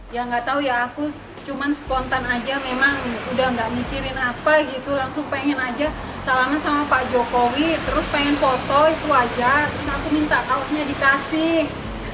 ya nggak tahu ya aku cuma spontan aja memang udah gak mikirin apa gitu langsung pengen aja salaman sama pak jokowi terus pengen foto itu wajar terus aku minta kaosnya dikasih